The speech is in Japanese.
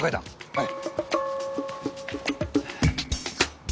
はい！